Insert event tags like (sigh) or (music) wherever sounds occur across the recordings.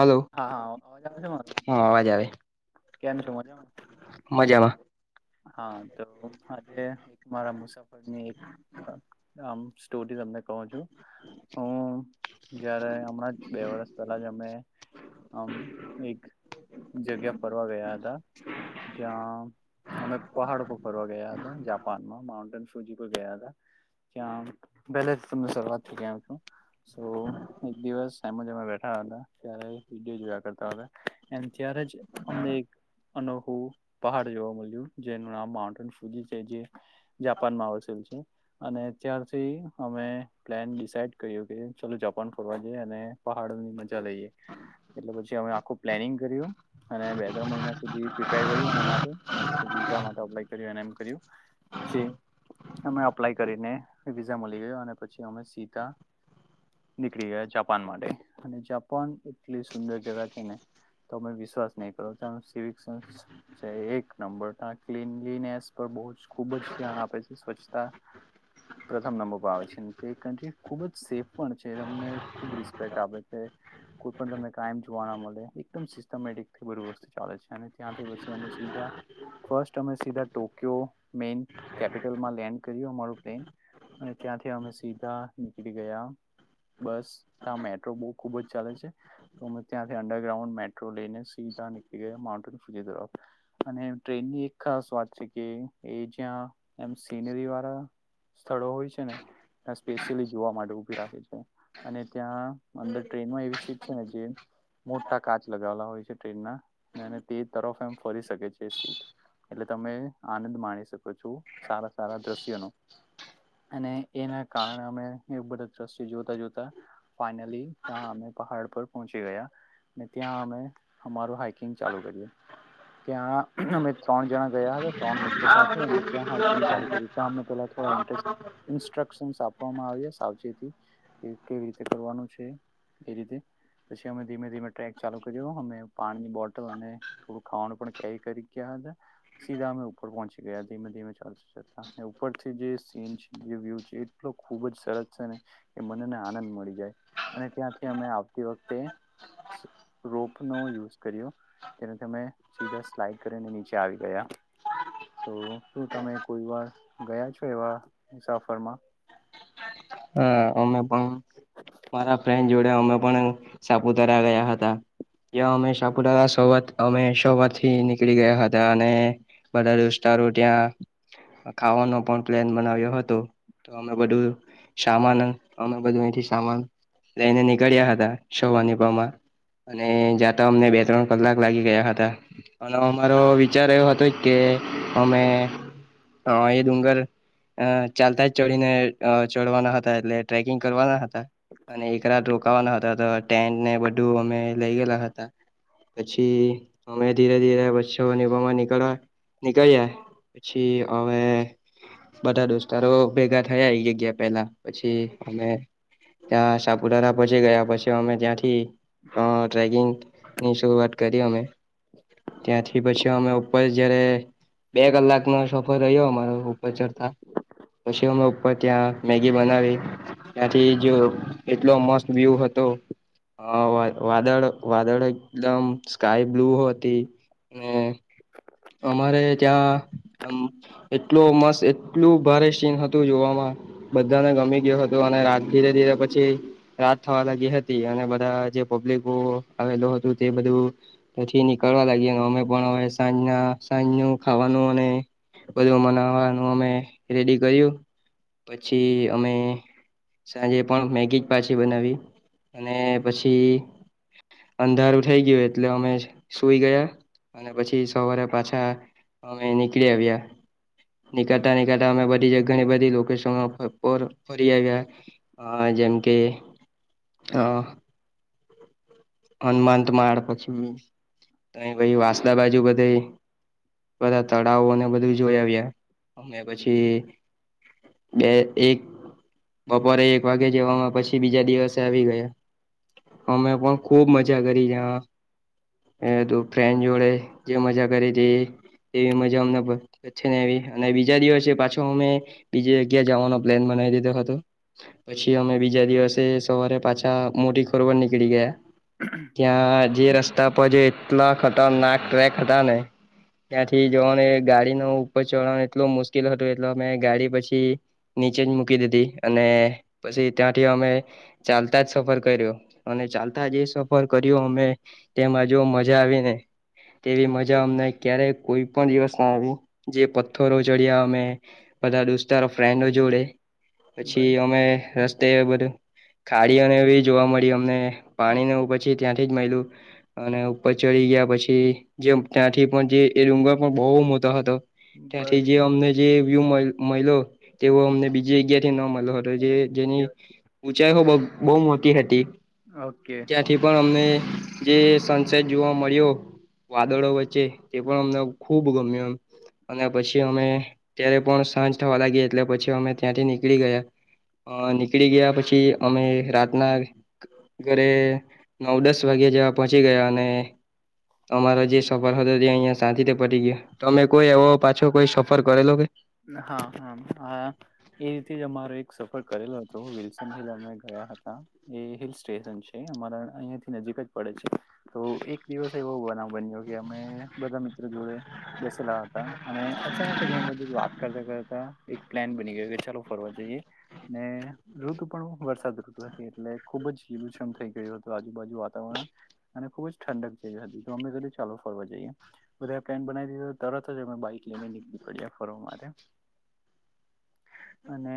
Hello હા હા અવાજ આવે છે મારો? હા અવાજ આવે કેમ છો? મજામાં મજામાં. હા તો આજે એક મારા મુસાફરની એક આમ સ્ટોરી તમને કહો છો. હું જયારે હમણાં જ બે વરસ પહેલા જ અમે આમ એક જગ્યા ફરવા ગયા હતા. જ્યાં અમે પહાડ પર ફરવા ગયા હતા, જાપાનમાં માઉન્ટેન ફજી પર ગયા હતા. ત્યાં પેલે જ તમને શરૂઆત થી કેઉ છું. એક દિવસ એમમાં બેઠા હતા. ત્યારે વિડીયો જોયા કરતા હતા. ત્યારે જ અમને એક અનોખું પહાડ જોવા મળ્યું. જેનું નામ માઉન્ટન ફુજી છે, જે જાપાનમાં વસેલ છે. અને જ્યારથી અમે પ્લેન કે ચાલ જાપાન ફરવા જઈએ. અને પહાડોની મજા લઈએ. એટલે પછી અમે આખું પ્લાનિંગ કર્યું અને બે ત્રણ મહિના સુધી પ્રિપેર કર્યું એના માટે વિઝા માટે અપ્લાય કર એ કર્યું અપ્લાય કરીને વિઝા મળી ગયો અને પછી અમે સીધા નીકળી ગયા જાપાન માટે અને જાપાન એટલી સુંદર જગા છે ને તો અમે વિશ્વાસ નહી કરો સિવક સેન્સ છે. એક નંબર ક્નલીને પર બ જ ખુબ જ ધ્યાન આપે છે. સ્વચ્છતા પ્રથમ નંબર પર આવે છે. તે કન્ટ્રી ખૂબ જ સેફ પણ છે. તમને ખૂબ રિસ્પેક્ટ આપે છે. કોઈ પણ તમને કમ જોવા ના મળે એકદમ સિસ્ટમેટિક બધુ વસ્તુ ચાલે છે. અને ત્યાંથી અમે સીધા ફસ્ટ અમે સીધા ટોકયો મેન કેપિટલમાં લેન્ડ કર્યું અમારું પ્લેન અને ત્યાંથી અમે સીધા નીકળી ગયા બસ ત્યાં મેટ્રો બહ ખુબ જ ચાલે છે. ત્યાંથી અંડરગ્રાઉન્ડ મેટ્રો લઈને સી ધા માઉન્ટન ફૂજ દરપ અને ટ્રેનની એક ખાસ વાત છે કે એ જ્યાં એમ સિનરી વાળા સ્થળો હોય છે ને ત્યા સ્પેશિયલી જોવા માટે ઉભી રાખે છે. અને ત્યાં અંદર ટ્રેન માં એવી સી (unintelligible) મોટા કાચ લગાવેલા હોય છે. ટ્રેન ના તે તરફ એમ ફરી શકે છે. એટલે તમે આનંદ માણી શકો છો. સારા સારા દ્રશ્યોનો અને એના કારણે અમે બધા દ્રશ્ટિ જોતા-જોતા ફઇનલી ત્યાં અમે પહાડ પર પહોંચી ગયા. ને ત્યાં અમે અમારું હાઈકિંગ ચાલુ કર્યું. ત્યા અમે ત્રણ જણા ગયા હતા ત્રણ મિત્રો સાથે અમે ત્યાં હાાઈકિંગ ચાલુ કરી ત્યાં અમે પહેલા ઇન્સ્ટ્રક્શન આપવામાં આવ્યા સાવચે કે કેવી રીતે કરવાનું છે. એ રીતે. પછી અમે ધીમે ધીમે ટ્રેક ચાલુ કર્યો અમે પાણીની બોટલ અને થોડું ખાવાનું પણ કેરી કરી ક્યા સીધા હ ઉપર પહંચી ગયા ધીમે ધીમે ચાલતા ચાલતા ઉપરથી જે સીન જે વ્યુ છે એટલો ખુબ જ સરસ છે ને કે મનેને આનંદ મળી જાય અને ત્યાંથી અમે આવતી વખતે રોપ નો યુઝ કર્યો તેને તમે સીધા સ્લાઈડ ને નીચે આવી ગયા. તો શું તમે કોઈ વાર ગયા છો, એવા મુસાફરમાં? હા અમે પણ મારા ફ્રેન્ડ જોડે અમે પણ સાપુતારા ગયા હતા. ત્યાં અમે સાપુતારા સોત અમે સોવા થી નીકળી ગયા હતા, અને બધા વિસ્તારો ત્યાં ખાવાનો પણ પ્લાન બનાવ્યો હતો તો, અમે બધું સામાન અમે બધું એથી સામાન લઈને નીકળ્યા હતા. સવારની પોરમાં અને જાતા અમને બે ત્રણ કલાક લાગી ગયા હતા અને અમારો વિચાર એવો હતો જ કે એ અમે અ એ ડુંગર અ ચાલતા જ ચડીને અજ ચડવાના હતા, એટલે ટ્રેકિંગ કરવાના હતા. અને એક રાત રોકાવાના હતા, તો ટેન્ટને બધું અમે લઈ ગયેલા હતા. પછી અમે ધીરે ધીરે (unintelligible) નીકળ્યા પછી હવે બધા દોસ્તારો ભેગા થયા એ જગ્યા પેલા પછી અમે ત્યાં સાપુતારા પછી ગયા પછી અમે ત્યાંથી હા ટ્રેકિંગ ની શરૂઆત કરી અમે. ત્યાંથી પછી અમે ઉપર જયારે બે કલાક નો સફર રહ્યો અમારો ઉપર ચડતા પછી અમે ઉપર ત્યાં મેગી બનાવી, ત્યાંથી જ એટલો મસ્ત વ્યુ હતો હા વા વાદળ વાદળ એકદમ સ્કાય બ્લુ હતી ને અમારે ત્યાં આમ એટલુ મસ્ત એટલું ભારે સીન હતું જોવામાં બધાને ગમી ગયો હતો, અને રાત ધીરે ધીરે પછી રાત થવા લાગી હતી, અને બધા જે પબ્લિક (unintelligible) તે બધુ, પછી નીકળવા લાગયા અમે પણ હવે સાંજના સાંજ નુ ખાવાનું અને બધું મનાવાનું અમે રેડી કર્યું પછી અમે સાંજે પણ મેગી જ પાછી બનાવી, અને પછી અંધારું થઇ ગયું એટલે અમે સુઈ ગયા અને પછી સવારે પાછા અમે નીકળી આવ્યા નીકળતા નીકળતા અમે બધી જગા ને ઘણી બધી લોકેશ સન પર ફરી આવ્યા જેમ કે. હા હનુમંત માળ પછી (unintelligible) વાંસદા બાજુ બધે બધા તળાવોને બધું જોઈ આવ્યા અને પછી બે એક બપોરે એક વાગે જવામાં પછી બીજા દિવસે આવી ગયા, અમે પણ ખુબ મજા કરી જા એતો ફ્રેન્ડ જોડે જે મજા કરી તે એવી મજા અમને પ છેને એવી અને બીજા દિવસે પાછો અમે બીજી જગ્યા જવાનો પ્લાન બન નવી દીધો હતો, પછી અમે બીજા દિવસે સવારે પાછા મોટી ખરોબર નીકળી ગયા. ત્યાં જે રસ્તા પર જે એટલા ખતરનાક ટ્રેક હતા ને ત્યાંથી જવાનું એ ગાડીનુ ઉપર ચઢવાનું એટલો મુશ્કેલ હતો એટલે અમે ગાડી પછી નીચે જ મૂકી દીધી, અને પછી ત્યાંથી અમે ચાલતા જ સફર કર્યો, અને ચાલતા જે સફર કર્યો અમે તેમાં જો મજા આવી ને તેવી મજા અમને ક્યારે કોઈ પણ દિવસ ના આવી, જે પથ્થરો ચડ્યા અમે બધા દોસ્તો ફ્રેન્ડો જે જોડે પછી બસ અમે રસ્તે બધું ખાડી અને જોવા મળી અમને પાણી નુ પછી ત્યાંથી જ મઈલું અને ઉપર ચડી ગયા પછી જે ત્યાંથી પણ જે એ ડુંગર પણ બહુ મોટો હતો, ત્યાંથી બસ જે અમને જે વ્યુ મલ મળ્યો તેવો અમને બીજી જગ્યા ન મલ્યો હતો, જે જેની ઊંચાઈ હો બો બહુ મોટી હતી હ ત્યાંથી પણ અમને જે સનસેટ જોવા મળ્યો વાદળો વચ્ચે તે પણ અમને ખુબ ગમ્યું એમ અને પછી અમે ત્યારે પણ સાંજ થવા લાગી એટલે પછી અમે ત્યાંથી નીકળી ગયા અ નીકળી ગયા પછી અમે રાતના ઘરે નવ દસ વાગ્યા જેવા પહોંચી ગયા અને તમારો જે સફર હતો તે અહિયા શાંતિ થી પતી ગયો, તમે કોઈ એવો પાછો કોઈ સફર કરેલો કે? હા હા હા એ રીતે જ અમારો સફર કરેલો હતો, વિલસન હિલ અમે ગયા હતા એ હિલ સ્ટેશન છે, અમારા અહિયાંથી નજી દિક્જ પડે છે, તો એક દિવસ એવો બનાવ બન્યો કે અમે બધા મિત્ર જોડે બેસેલા હતા હતા અને અચાનક જ એમ બધી વાત કરતા કરતા એક પ્લાન બની ગયો કે, ચાલો ફરવા જઈએ ને ઋતુ પણ વરસાદ ઋતુ એટલે ખુબ જ લીલુછમ થઈ ગયું હતું આજુબાજુ વાતાવરણ, અને ખુબ જ ઠંડક જ હતી. અમે ચાલો ફરવા જઈએ બધા પ્લાન બનાવી દીધો અને તરત જ અમે બાઈક લઈને નીકળી પડયા ફરવા માટે. અને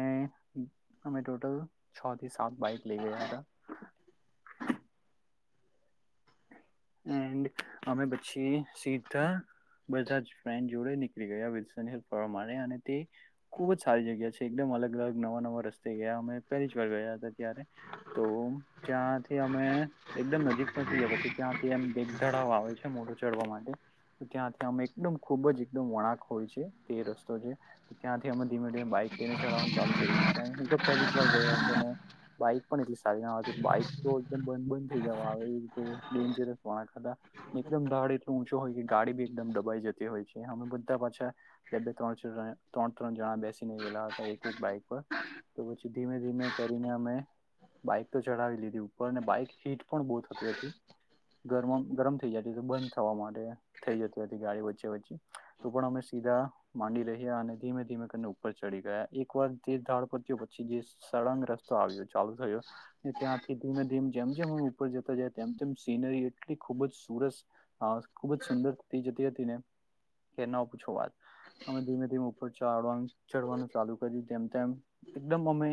અમે ટોટલ છ થી સાત બાઈક લઈ ગયા હતા. એન્ડ અમે પછી સીધા બધા જ ફ્રેન્ડ જોડે નીકળી ગયા વિ (inaudible) માટે અને તે ખુબ જ સારી જગ્યા છે એકદમ અલગ અલગ નવા નવા રસ્તે ગયા અમે, પહેલી જ વાર ગયા હતા. ત્યારે તો જ્યાંથી અમે એકદમ નજીક પહોંચી ગયા પછી ત્યાંથી એમ ઢળાવ આવે છે મોટુ ચડવા માટે ત્યાંથી અમે એકદમ ખુબ જ એકદમ વળાક હોય છે તે રસ્તો છે. ત્યાંથી અમે ધીમે ધીમે બાઈક એક તો એને ચલાવવાનું ચાલુ કર્યુ, હું તો પહેલી જ વાર ગયો હતો ને બાઈક પણ એટલી સારી ના હતી, બાઈક તો એકદમ બંધ બંધ થઈ જવા આવે એ રીતે ડેજરસ વળાંક હતા એકદમ ઢાળૃ ઊંચો હોય કે ગાડી બી એકદમ ડબાઈ જતી હોય છે. અમે બધા અચ્છા, બે ત્રણ, ત્રણ ત્રણ જણા બેસી ગયલા હતા એક એક બાઈક પર તો પછીથી ધીમે ધીમે કરીને અમે બાઈક તો ચઢાવી લીધી ઉપરને બાઈક હીટ પણ બહુ થતી હતી. હ ગરમ ગરમ થઈ જતી બંધ થવા માડી થઈ જતી હતી ગાડી વચ્ચે વચ્ચે તો પણ અમે સીધા માંડી રહ્યા અને ધીમે ધીમે કરીને ઉપર ચડી ગયા એક વાર તે ઢાળ પત્યો પછી જે સળંગ રસ્તો આવ્યો ચાલુ થયો ત્યાંથી ધીમે ધીમે જેમ જેમ ઉપર જતો જાય તેમ તેમ સીનરી એટલી ખૂબ જ સુરસ ખૂબ જ સુંદરતી જતી હતી ને કે ન પૂછો વાત? અમે ધીમે ધીમે ઉપર ચાડવા ચડવાનું ચાલુ કર્યું તેમ તેમ એકદમ અમે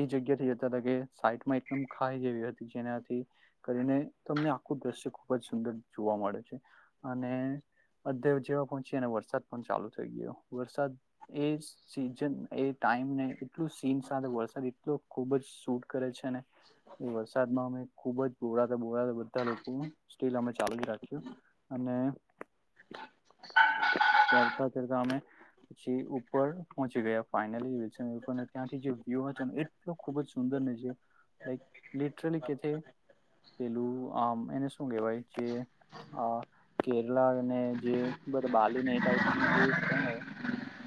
એ જગ્યા યો થઈ જ હતા કે સાઈટ માં એકદમ ખાઈ જેવી હતી જેનાથી કરીને તમને આખું દ્રશ્ય ખુબ જ સુંદર જોવા મળે છે અને અત્યારે જેવા પહોંચી અને વરસાદ પણ ચાલુ થઈ ગયો વરસાદ એ સીન છે ને એ ટાઈમ ને એટલું સીન સાથે વરસાદ એટલો ખુબ જ સૂટ કરે છે ને, એ વરસાદમાં અમે ખુબ જ ભોળાતા ભોળા બધા લોકો સ્ટીલ અમે ચાલુ રાખ્યું અને ચાલતા ચાલતા અમે પછી ઉપર પહોંચી ગયા ફાઇનલી ત્યાંથી જે વ્યુ હતો એટલો ખુબ જ સુંદ લ લિટરલી કે પેલું આમ એને શું કેહેવાય કે હા કેરલાને જે બધા બાલી એ ટાઈપનું જે છે ને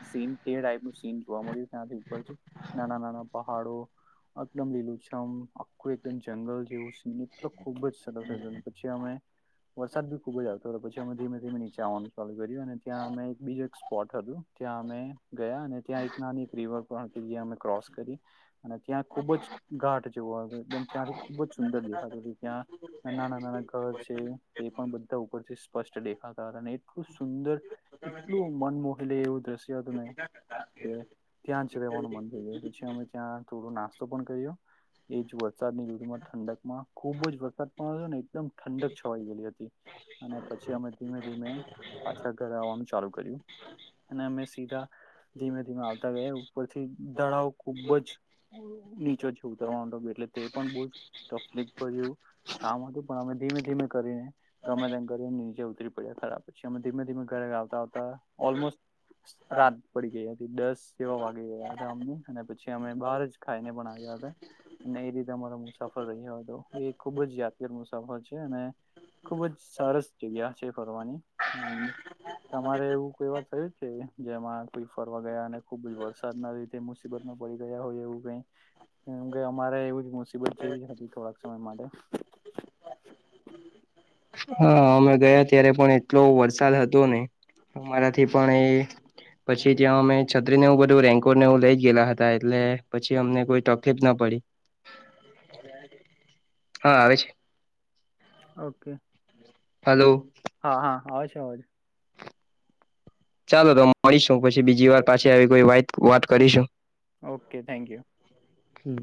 સીન તે ટાઈપનું સીન જોવા મળ્યું ત્યાંથી ઉપર છે નાના નાના પહાડો એકદમ લીલું છમ આખું એકદમ જંગલ જેવું છે એટલ ખુબ જ (unintelligible) પછી અમે વરસાદ બી ખુબ જ આવતો હતો પછી અમે ધીમેીમે નીચે આવવાનું ચાલુ કર્યું અને ત્યાં અમે એક બીજું એક સ્પોટ હતું ત્યાં અમે ગયા અને ત્યાં એક નાની એક રિવર પણ હતી જ્યા અમે ક્રોસ કરી અને ત્યાં ખુબ જ ઘાટ જેવમ ત્યાંથી ખુબ જ સુંદર દેખાતું ત્યાં નાના નાના ઘર છે તે પણ બધા ઉપરથી સ્પષ્ટ દેખાતા હતા એટલું સુંદર એટલું મન મોહલે એવું દ્રશ્ય હતું તને તે ત્યાં જ રહેવાનું મન થઈ જાય પછી અમે ત્યાં થોડો નાસ્તો પણ કર્યો એજ વરસાદ ની ઋતુ માં ઠંડક માં ખુબ જ વરસાદ પણ ને એકદમ ઠંડક છવાઈ ગયલી હતી અને પછી અમે ધીમે ધીમે પાછા ઘર આવવાનું ચાલુ કર્યું અને અમે સીધા ધીમે ધીમે આવતા ગયા ઉપરથી ધડાવ ખુબ જ નીચો છે ઉતરવા પટ તે પણ બવ તકલીફ ભર્યું કામ હતું પણ અમે ધીમે ધીમે કરીને ગમે તેમ કરીને નીચે ઉતરી પડ્યા ખરા પછી અમે ધીમે ધીમે ગયા આવ આવતા ઓલમોસ્ટ રાત પડી ગઈ હતી દસ જેવા વાગી ગયા હતા અમને અને પછી અમે બાર જ ખાઈને પણ આવ્યા ને એ રીતે અમારો મુસાફર રહ્યો હતો એ ખુબ જ યાદગાર મુસાફર હોય છે અને ખુબ જ સરસ જગ્યા છે ફરવાની તમારે એવું કઈ વાત થયું જેમાં કોઈ ફરવા ગયા અને ખુબ જ વરસાદ ના લીધે મુસીબતમાં પડી ગયા હોય એવું કઈ કેમ કે અમારે એવું જ મુસીબત જેવી જ હતી થોડાક સમય માટે હા અમે ગયા ત્યારે પણ એટલો વરસાદ હતો ને અમારા થી પણ એ પછી ત્યાં અમે છત્રીને એવું બધું રૈનકોટને એવું લઈ જ ગયેલા હતા એટલે પછી અમને કોઈ તકલીફ ના પડી (unintelligible) હા આવે છે. ઓકે હલો હા હા આવે છે અવાજ ચાલો તો મળીશું પછી બીજી વાર પાછી આવી કોઈ વાત વાત કરીશું ઓકે થેન્ક યુ હમ્મ